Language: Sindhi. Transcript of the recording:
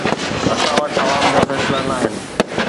اسان وٽ عوام جا فيصلا ناهن.